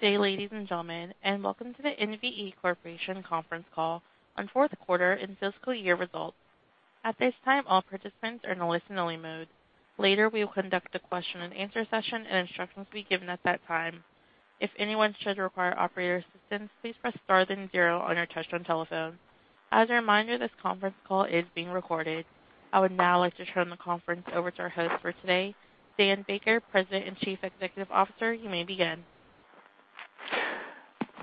Good day, ladies and gentlemen, and welcome to the NVE Corporation conference call on fourth quarter and fiscal year results. At this time, all participants are in a listen-only mode. Later, we will conduct a question and answer session, and instructions will be given at that time. If anyone should require operator assistance, please press star then zero on your touch-tone telephone. As a reminder, this conference call is being recorded. I would now like to turn the conference over to our host for today, Daniel A. Baker, President and Chief Executive Officer. You may begin.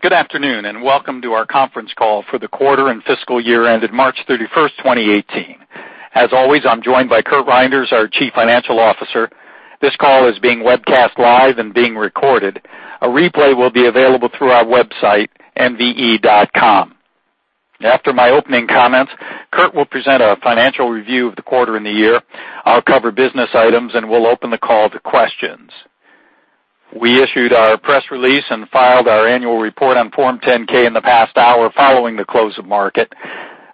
Good afternoon, and welcome to our conference call for the quarter and fiscal year ended March 31st, 2018. As always, I'm joined by Curt A. Reynders, our Chief Financial Officer. This call is being webcast live and being recorded. A replay will be available through our website, nve.com. After my opening comments, Curt will present a financial review of the quarter and the year. I'll cover business items, and we'll open the call to questions. We issued our press release and filed our annual report on Form 10-K in the past hour following the close of market.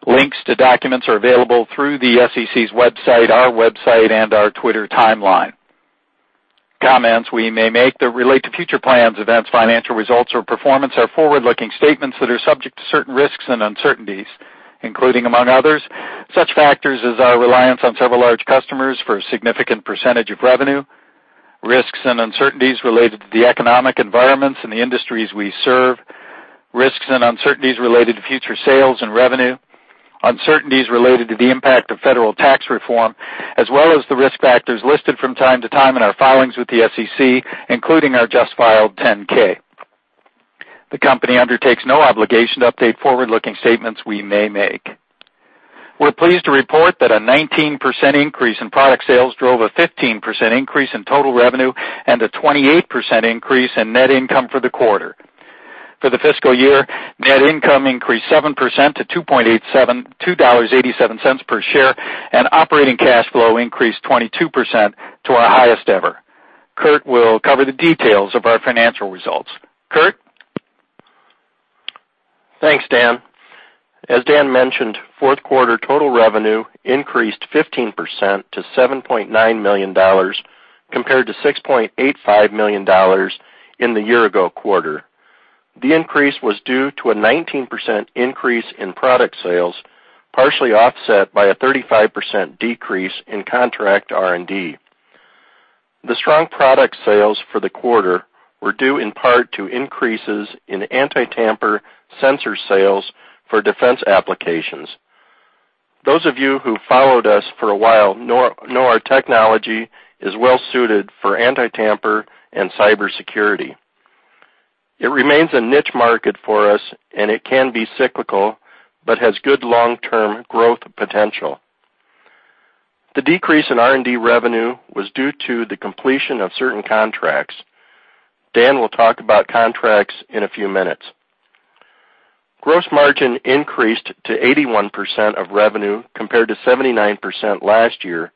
Links to documents are available through the SEC's website, our website, and our Twitter timeline. Comments we may make that relate to future plans, events, financial results, or performance are forward-looking statements that are subject to certain risks and uncertainties, including, among others, such factors as our reliance on several large customers for a significant percentage of revenue, risks and uncertainties related to the economic environments in the industries we serve, risks and uncertainties related to future sales and revenue, uncertainties related to the impact of federal tax reform, as well as the risk factors listed from time to time in our filings with the SEC, including our just filed 10-K. The company undertakes no obligation to update forward-looking statements we may make. We're pleased to report that a 19% increase in product sales drove a 15% increase in total revenue and a 28% increase in net income for the quarter. For the fiscal year, net income increased 7% to $2.87 per share, and operating cash flow increased 22% to our highest ever. Curt will cover the details of our financial results. Curt? Thanks, Dan. As Dan mentioned, fourth quarter total revenue increased 15% to $7.9 million, compared to $6.85 million in the year-ago quarter. The increase was due to a 19% increase in product sales, partially offset by a 35% decrease in contract R&D. The strong product sales for the quarter were due in part to increases in anti-tamper sensor sales for defense applications. Those of you who followed us for a while know our technology is well suited for anti-tamper and cybersecurity. It remains a niche market for us, and it can be cyclical but has good long-term growth potential. The decrease in R&D revenue was due to the completion of certain contracts. Dan will talk about contracts in a few minutes. Gross margin increased to 81% of revenue compared to 79% last year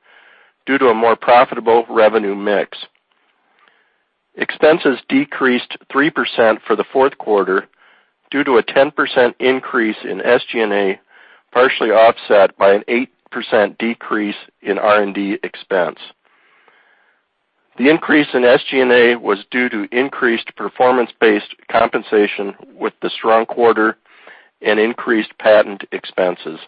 due to a more profitable revenue mix. Expenses decreased 3% for the fourth quarter due to a 10% increase in SG&A, partially offset by an 8% decrease in R&D expense. The increase in SG&A was due to increased performance-based compensation with the strong quarter and increased patent expenses.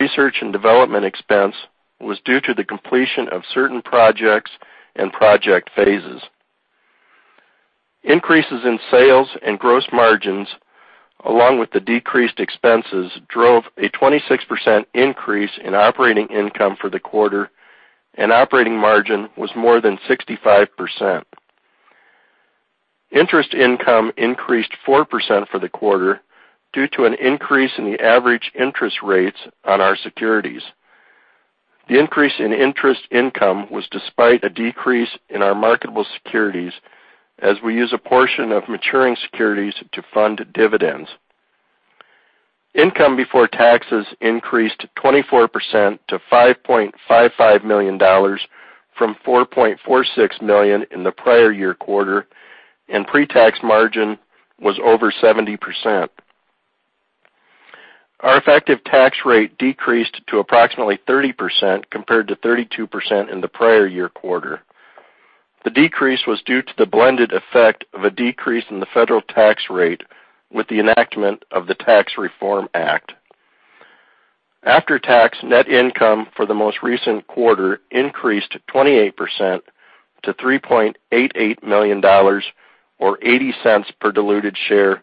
Research and development expense was due to the completion of certain projects and project phases. Increases in sales and gross margins, along with the decreased expenses, drove a 26% increase in operating income for the quarter, and operating margin was more than 65%. Interest income increased 4% for the quarter due to an increase in the average interest rates on our securities. The increase in interest income was despite a decrease in our marketable securities, as we use a portion of maturing securities to fund dividends. Income before taxes increased 24% to $5.55 million from $4.46 million in the prior year quarter, and pre-tax margin was over 70%. Our effective tax rate decreased to approximately 30% compared to 32% in the prior year quarter. The decrease was due to the blended effect of a decrease in the federal tax rate with the enactment of the Tax Reform Act. After-tax net income for the most recent quarter increased 28% to $3.88 million, or $0.80 per diluted share,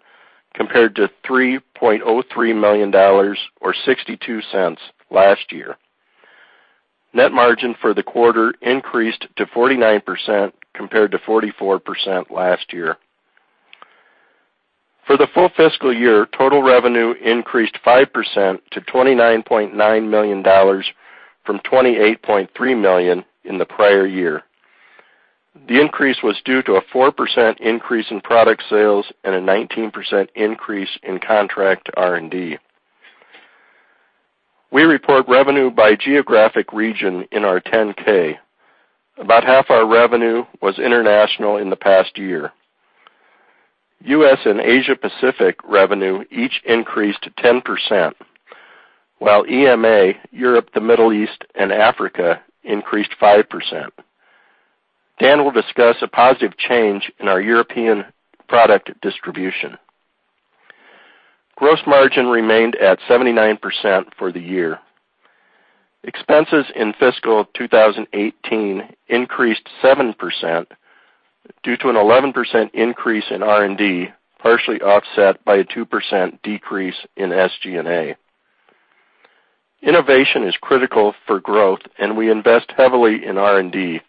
compared to $3.03 million or $0.62 last year. Net margin for the quarter increased to 49% compared to 44% last year. For the full fiscal year, total revenue increased 5% to $29.9 million from $28.3 million in the prior year. The increase was due to a 4% increase in product sales and a 19% increase in contract R&D. We report revenue by geographic region in our 10-K. About half our revenue was international in the past year. U.S. and Asia Pacific revenue each increased 10%, while EMEA, Europe, the Middle East, and Africa increased 5%. Dan will discuss a positive change in our European product distribution. Gross margin remained at 79% for the year. Expenses in fiscal 2018 increased 7% due to an 11% increase in R&D, partially offset by a 2% decrease in SG&A. Innovation is critical for growth, and we invest heavily in R&D.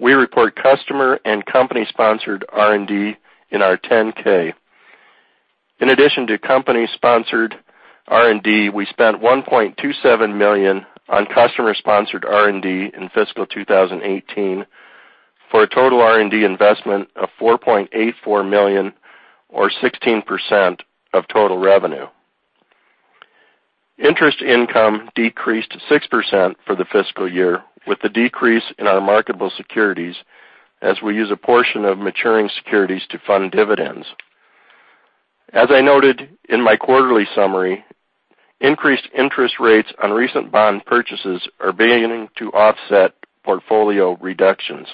We report customer and company-sponsored R&D in our 10-K. In addition to company-sponsored R&D, we spent $1.27 million on customer-sponsored R&D in fiscal 2018 for a total R&D investment of $4.84 million or 16% of total revenue. Interest income decreased 6% for the fiscal year, with the decrease in our marketable securities as we use a portion of maturing securities to fund dividends. As I noted in my quarterly summary, increased interest rates on recent bond purchases are beginning to offset portfolio reductions.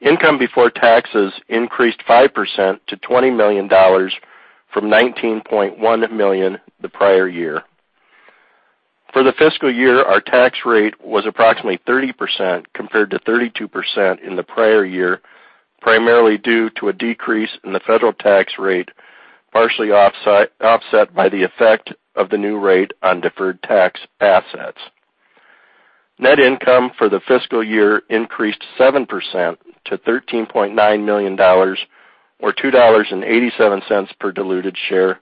Income before taxes increased 5% to $20 million from $19.1 million the prior year. For the fiscal year, our tax rate was approximately 30% compared to 32% in the prior year, primarily due to a decrease in the federal tax rate, partially offset by the effect of the new rate on deferred tax assets. Net income for the fiscal year increased 7% to $13.9 million, or $2.87 per diluted share,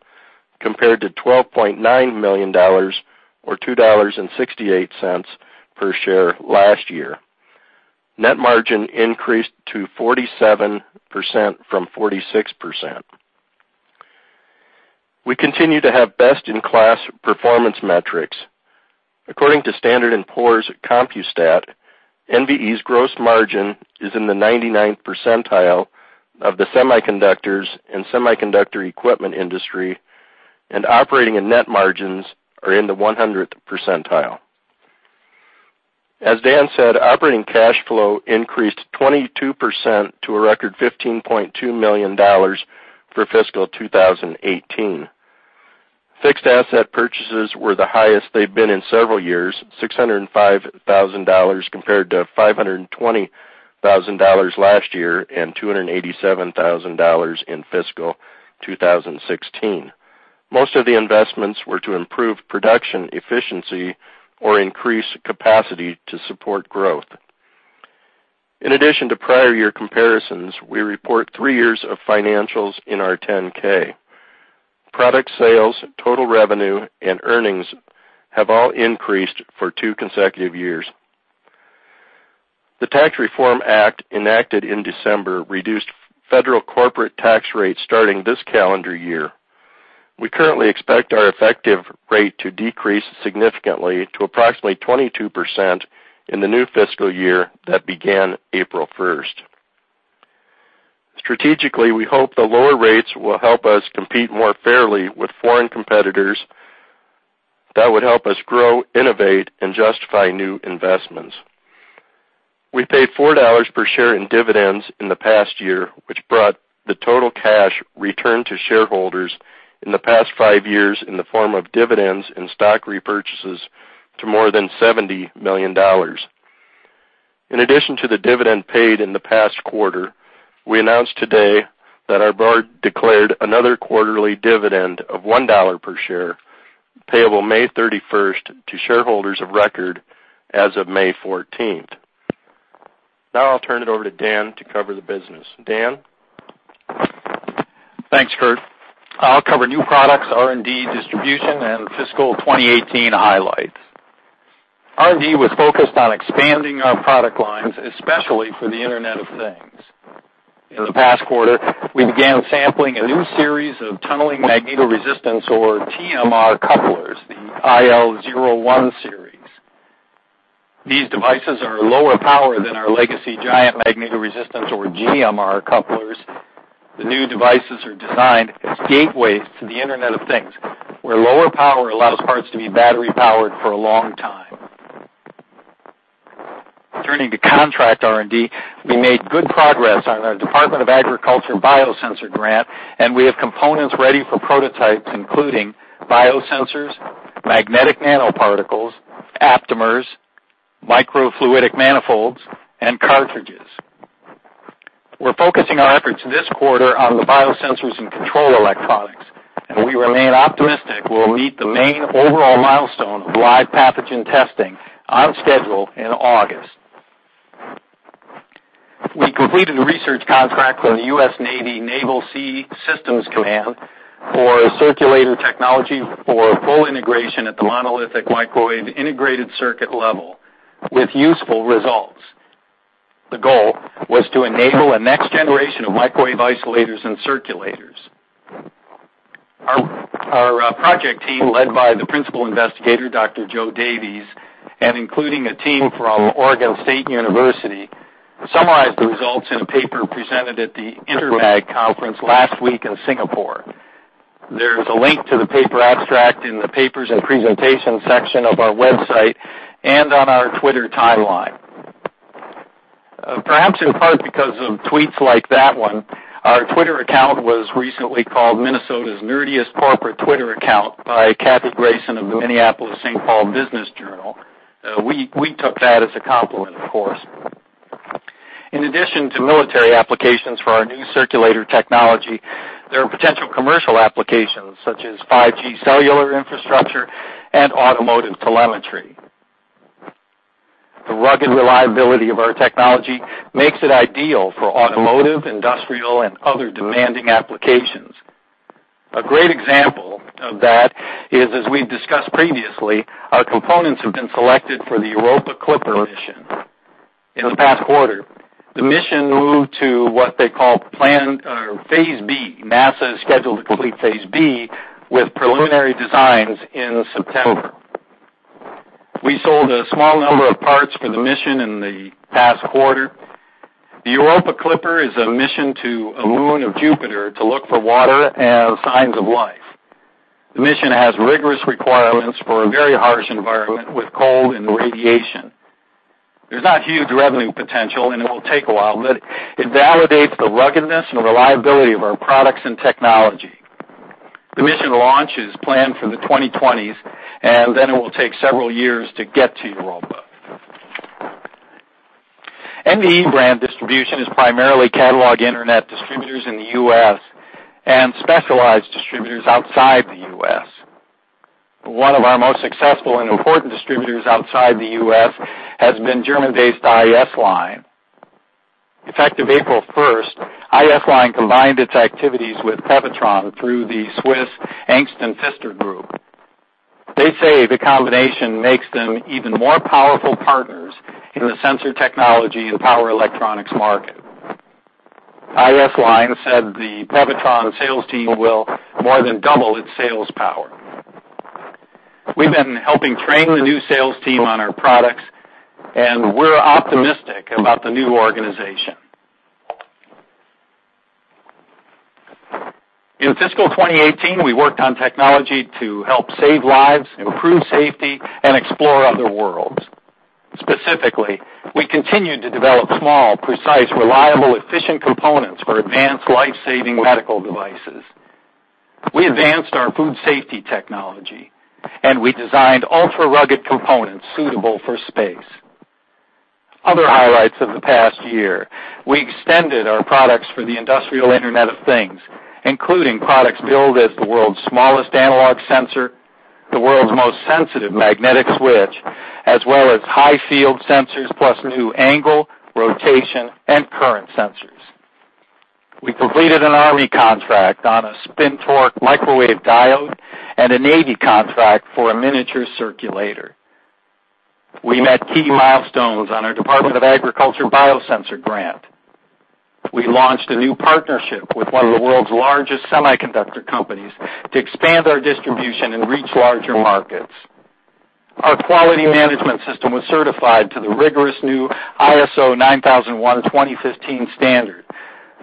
compared to $12.9 million or $2.68 per share last year. Net margin increased to 47% from 46%. We continue to have best-in-class performance metrics. According to Standard & Poor's Compustat, NVE's gross margin is in the 99th percentile of the semiconductors and semiconductor equipment industry, and operating and net margins are in the 100th percentile. As Dan said, operating cash flow increased 22% to a record $15.2 million for fiscal 2018. Fixed asset purchases were the highest they've been in several years, $605,000 compared to $520,000 last year and $287,000 in fiscal 2016. Most of the investments were to improve production efficiency or increase capacity to support growth. In addition to prior year comparisons, we report three years of financials in our 10-K. Product sales, total revenue, and earnings have all increased for two consecutive years. The Tax Reform Act enacted in December reduced federal corporate tax rates starting this calendar year. We currently expect our effective rate to decrease significantly to approximately 22% in the new fiscal year that began April 1st. Strategically, we hope the lower rates will help us compete more fairly with foreign competitors that would help us grow, innovate, and justify new investments. We paid $4 per share in dividends in the past year, which brought the total cash returned to shareholders in the past five years in the form of dividends and stock repurchases to more than $70 million. In addition to the dividend paid in the past quarter, we announced today that our board declared another quarterly dividend of $1 per share, payable May 31st to shareholders of record as of May 14th. I'll turn it over to Dan to cover the business. Dan? Thanks, Curt. I'll cover new products, R&D, distribution, and fiscal 2018 highlights. R&D was focused on expanding our product lines, especially for the Internet of Things. In the past quarter, we began sampling a new series of tunneling magnetoresistance or TMR couplers, the IL01-series. These devices are lower power than our legacy giant magnetoresistance or GMR couplers. The new devices are designed as gateways to the Internet of Things, where lower power allows parts to be battery-powered for a long time. Turning to contract R&D, we made good progress on our Department of Agriculture biosensor grant, and we have components ready for prototypes, including biosensors, magnetic nanoparticles, aptamers, microfluidic manifolds, and cartridges. We're focusing our efforts this quarter on the biosensors and control electronics, and we remain optimistic we'll meet the main overall milestone of live pathogen testing on schedule in August. We completed a research contract from the U.S. Naval Sea Systems Command for circulator technology for full integration at the monolithic microwave integrated circuit level with useful results. The goal was to enable a next generation of microwave isolators and circulators. Our project team, led by the principal investigator, Dr. Joe Davies, and including a team from Oregon State University, summarized the results in a paper presented at the Intermag conference last week in Singapore. There is a link to the paper abstract in the Papers and Presentation section of our website and on our Twitter timeline. Perhaps in part because of tweets like that one, our Twitter account was recently called Minnesota's nerdiest corporate Twitter account by Cathy Grayson of the Minneapolis/St. Paul Business Journal. We took that as a compliment, of course. In addition to military applications for our new circulator technology, there are potential commercial applications such as 5G cellular infrastructure and automotive telemetry. The rugged reliability of our technology makes it ideal for automotive, industrial, and other demanding applications. A great example of that is, as we have discussed previously, our components have been selected for the Europa Clipper mission. In the past quarter, the mission moved to what they call Phase B. NASA is scheduled to complete Phase B with preliminary designs in September. We sold a small number of parts for the mission in the past quarter. The Europa Clipper is a mission to a moon of Jupiter to look for water and signs of life. The mission has rigorous requirements for a very harsh environment with cold and radiation. There is not huge revenue potential, and it will take a while, but it validates the ruggedness and reliability of our products and technology. The mission launch is planned for the 2020s. It will take several years to get to Europa. NVE brand distribution is primarily catalog internet distributors in the U.S. and specialized distributors outside the U.S. One of our most successful and important distributors outside the U.S. has been German-based IS-LINE. Effective April 1st, IS-LINE combined its activities with Pewatron through the Swiss Angst+Pfister group. They say the combination makes them even more powerful partners in the sensor technology and power electronics market. IS-LINE said the Pewatron sales team will more than double its sales power. We have been helping train the new sales team on our products, and we are optimistic about the new organization. In fiscal 2018, we worked on technology to help save lives, improve safety, and explore other worlds. Specifically, we continued to develop small, precise, reliable, efficient components for advanced life-saving medical devices. We advanced our food safety technology. We designed ultra-rugged components suitable for space. Other highlights of the past year, we extended our products for the industrial Internet of Things, including products billed as the world's smallest analog sensor, the world's most sensitive magnetic switch, as well as high field sensors, plus new angle, rotation, and current sensors. We completed an Army contract on a spin-torque microwave diode. A Navy contract for a miniature circulator. We met key milestones on our Department of Agriculture biosensor grant. We launched a new partnership with one of the world's largest semiconductor companies to expand our distribution and reach larger markets. Our quality management system was certified to the rigorous new ISO 9001:2015 standard,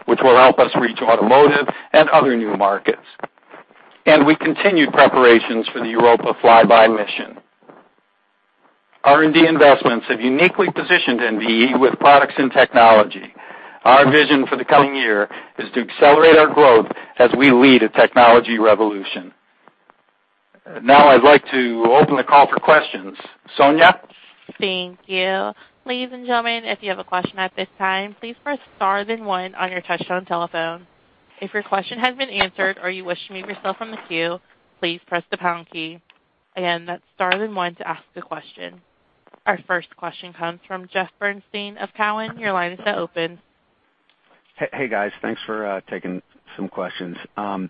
which will help us reach automotive and other new markets. We continued preparations for the Europa flyby mission. R&D investments have uniquely positioned NVE with products and technology. Our vision for the coming year is to accelerate our growth as we lead a technology revolution. Now I'd like to open the call for questions. Sonia? Thank you. Ladies and gentlemen, if you have a question at this time, please press star then one on your touchtone telephone. If your question has been answered or you wish to remove yourself from the queue, please press the pound key. Again, that's star then one to ask a question. Our first question comes from Jeff Bernstein of Cowen. Your line is now open. Hey, guys. Thanks for taking some questions. Can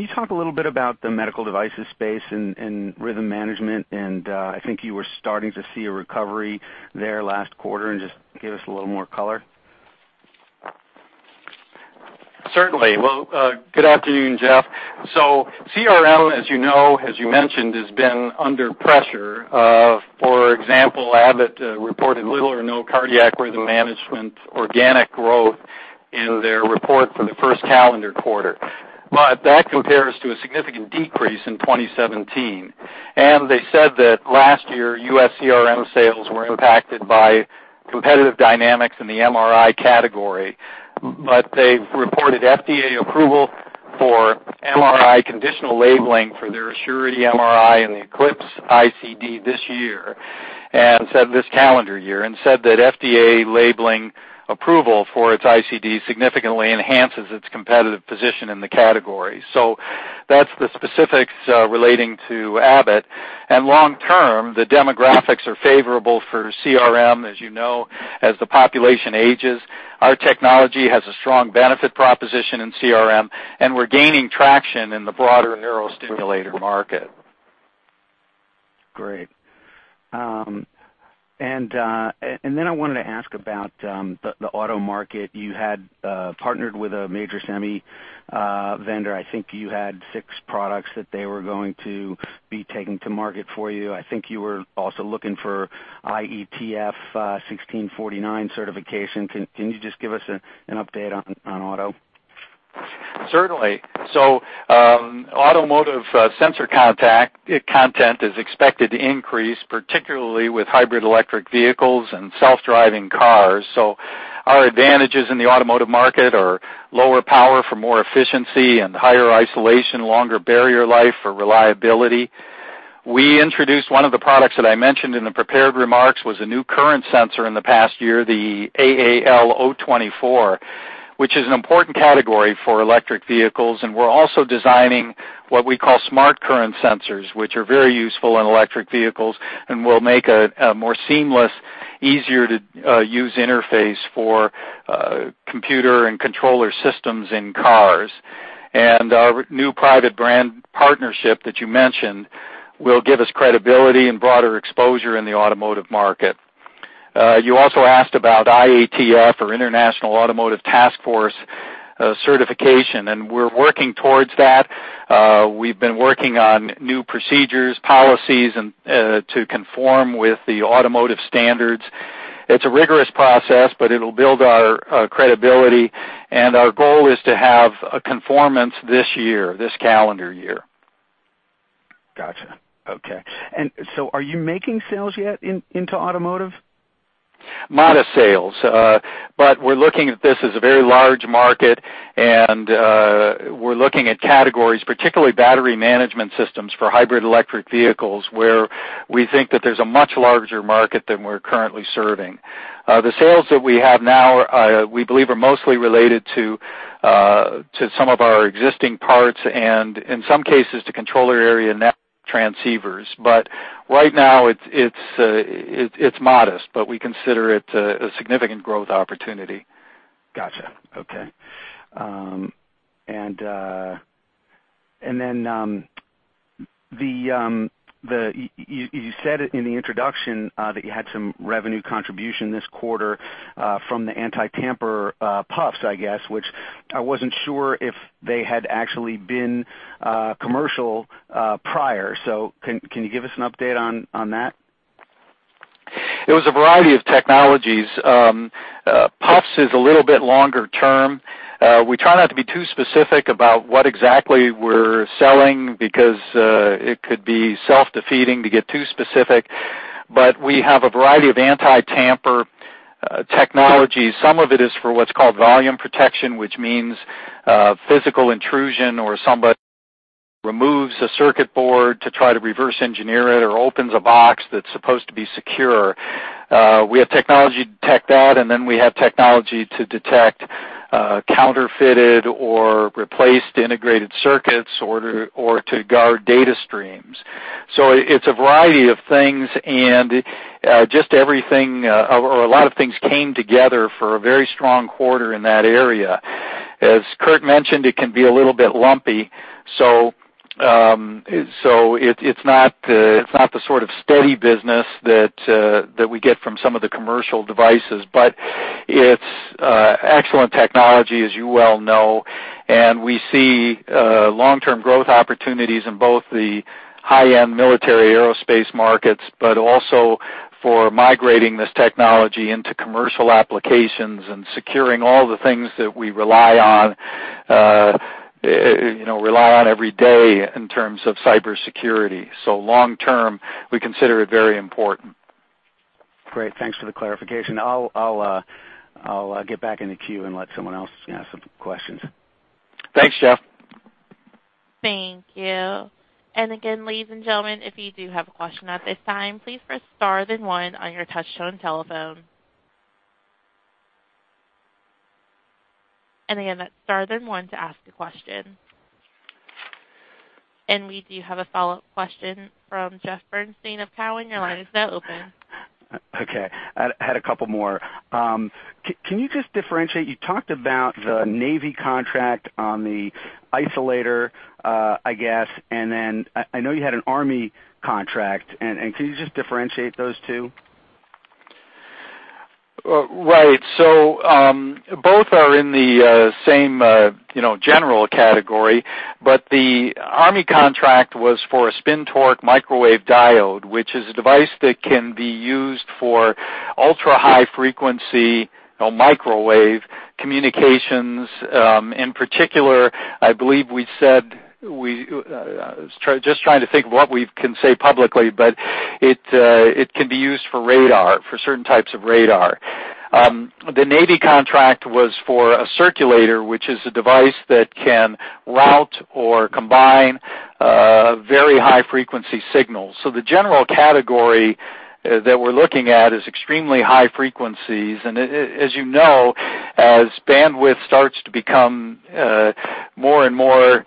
you talk a little bit about the medical devices space and rhythm management, and I think you were starting to see a recovery there last quarter, and just give us a little more color? Certainly. Well, good afternoon, Jeff. CRM, as you know, as you mentioned, has been under pressure. For example, Abbott reported little or no cardiac rhythm management organic growth in their report for the first calendar quarter. That compares to a significant decrease in 2017. They said that last year, U.S. CRM sales were impacted by competitive dynamics in the MRI category. They've reported FDA approval for MRI conditional labeling for their Assurity MRI and the Ellipse ICD this year, this calendar year, and said that FDA labeling approval for its ICD significantly enhances its competitive position in the category. That's the specifics relating to Abbott. Long term, the demographics are favorable for CRM, as you know, as the population ages. Our technology has a strong benefit proposition in CRM, and we're gaining traction in the broader neurostimulator market. I wanted to ask about the auto market. You had partnered with a major semi vendor. I think you had six products that they were going to be taking to market for you. I think you were also looking for IATF 16949 certification. Can you just give us an update on auto? Certainly. Automotive sensor content is expected to increase, particularly with hybrid electric vehicles and self-driving cars. Our advantages in the automotive market are lower power for more efficiency and higher isolation, longer barrier life for reliability. We introduced one of the products that I mentioned in the prepared remarks, was a new current sensor in the past year, the AAL024, which is an important category for electric vehicles, and we're also designing what we call smart current sensors, which are very useful in electric vehicles and will make a more seamless, easier-to-use interface for computer and Controller Area Network systems in cars. Our new private brand partnership that you mentioned will give us credibility and broader exposure in the automotive market. You also asked about IATF or International Automotive Task Force certification, and we're working towards that. We've been working on new procedures, policies, to conform with the automotive standards. It's a rigorous process, but it'll build our credibility, and our goal is to have a conformance this year, this calendar year. Got you. Okay. Are you making sales yet into automotive? Modest sales. We're looking at this as a very large market, we're looking at categories, particularly battery management systems for hybrid electric vehicles, where we think that there's a much larger market than we're currently serving. The sales that we have now, we believe are mostly related to some of our existing parts and in some cases to Controller Area Network transceivers. Right now it's modest, but we consider it a significant growth opportunity. Got you. Okay. You said it in the introduction, that you had some revenue contribution this quarter, from the anti-tamper PUFs, I guess, which I wasn't sure if they had actually been commercial prior. Can you give us an update on that? It was a variety of technologies. PUFs is a little bit longer term. We try not to be too specific about what exactly we're selling because it could be self-defeating to get too specific. We have a variety of anti-tamper technologies. Some of it is for what's called volume protection, which means physical intrusion or somebody removes a circuit board to try to reverse engineer it or opens a box that's supposed to be secure. We have technology to detect that, we have technology to detect counterfeited or replaced integrated circuits or to guard data streams. It's a variety of things, and just everything, or a lot of things came together for a very strong quarter in that area. As Curt mentioned, it can be a little bit lumpy. It's not the sort of steady business that we get from some of the commercial devices, it's excellent technology, as you well know. We see long-term growth opportunities in both the high-end military aerospace markets, also for migrating this technology into commercial applications and securing all the things that we rely on every day in terms of cybersecurity. Long term, we consider it very important. Great. Thanks for the clarification. I'll get back in the queue and let someone else ask some questions. Thanks, Jeff. Thank you. Again, ladies and gentlemen, if you do have a question at this time, please press star then one on your touch-tone telephone. Again, that's star then one to ask a question. We do have a follow-up question from Jeffrey Bernstein of Cowen. Your line is now open. Okay. I had a couple more. Can you just differentiate, you talked about the Navy contract on the isolator, I guess, and then I know you had an Army contract, and can you just differentiate those two? Right. Both are in the same general category, but the Army contract was for a spin-torque microwave diode, which is a device that can be used for ultra-high frequency microwave communications. In particular, I believe we said, just trying to think of what we can say publicly, but it can be used for radar, for certain types of radar. The Navy contract was for a circulator, which is a device that can route or combine very high frequency signals. The general category that we're looking at is extremely high frequencies. As you know, as bandwidth starts to become more and more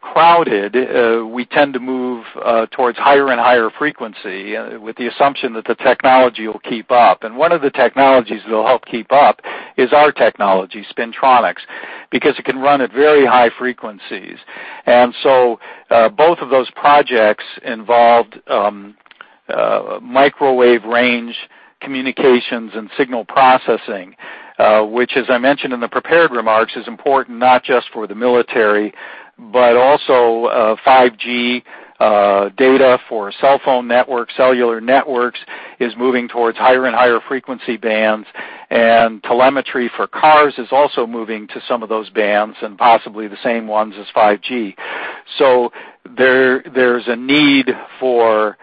crowded, we tend to move towards higher and higher frequency with the assumption that the technology will keep up. One of the technologies that will help keep up is our technology, spintronics. Because it can run at very high frequencies. Both of those projects involved microwave range communications and signal processing, which as I mentioned in the prepared remarks, is important not just for the military, but also 5G data for cellphone networks, cellular networks, is moving towards higher and higher frequency bands, and telemetry for cars is also moving to some of those bands, and possibly the same ones as 5G. There's a need for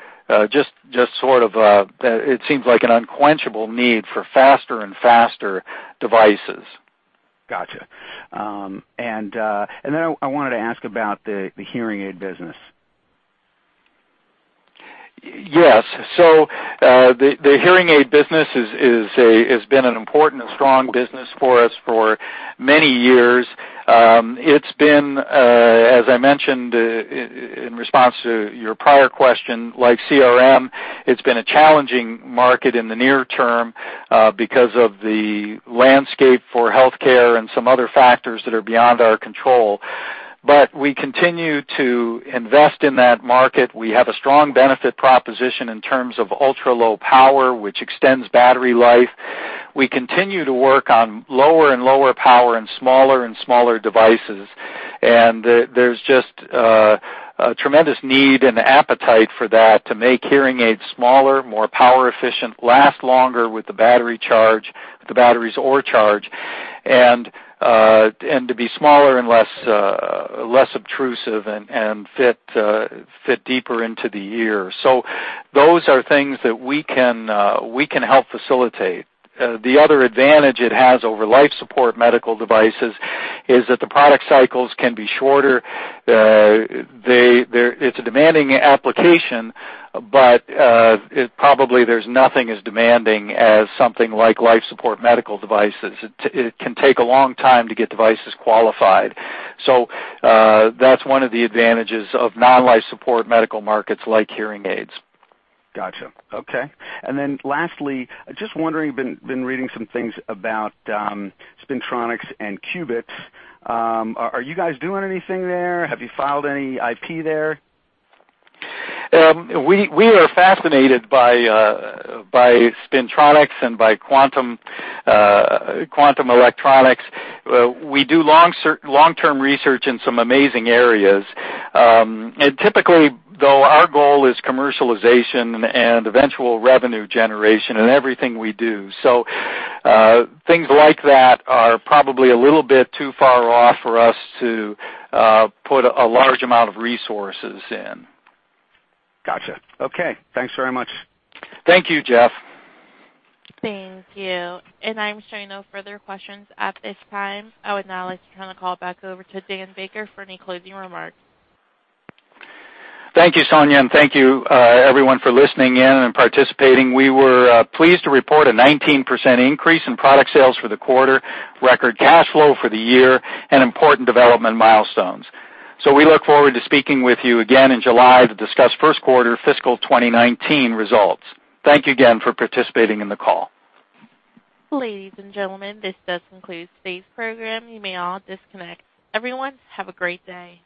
just sort of a, it seems like an unquenchable need for faster and faster devices. Got you. I wanted to ask about the hearing aid business. Yes. The hearing aid business has been an important and strong business for us for many years. It's been, as I mentioned in response to your prior question, like CRM, it's been a challenging market in the near term because of the landscape for healthcare and some other factors that are beyond our control. We continue to invest in that market. We have a strong benefit proposition in terms of ultra-low power, which extends battery life. We continue to work on lower and lower power and smaller and smaller devices. There's just a tremendous need and appetite for that to make hearing aids smaller, more power efficient, last longer with the battery charge, the batteries or charge, and to be smaller and less obtrusive and fit deeper into the ear. Those are things that we can help facilitate. The other advantage it has over life support medical devices is that the product cycles can be shorter. It's a demanding application, but probably there's nothing as demanding as something like life support medical devices. It can take a long time to get devices qualified. That's one of the advantages of non-life support medical markets like hearing aids. Got you. Okay. Lastly, just wondering, been reading some things about spintronics and qubits. Are you guys doing anything there? Have you filed any IP there? We are fascinated by spintronics and by quantum electronics. We do long-term research in some amazing areas. Typically, though, our goal is commercialization and eventual revenue generation in everything we do. Things like that are probably a little bit too far off for us to put a large amount of resources in. Got you. Okay. Thanks very much. Thank you, Jeff. Thank you. I'm showing no further questions at this time. I would now like to turn the call back over to Dan Baker for any closing remarks. Thank you, Sonia, thank you everyone for listening in and participating. We were pleased to report a 19% increase in product sales for the quarter, record cash flow for the year, and important development milestones. We look forward to speaking with you again in July to discuss first quarter fiscal 2019 results. Thank you again for participating in the call. Ladies and gentlemen, this does conclude today's program. You may all disconnect. Everyone, have a great day.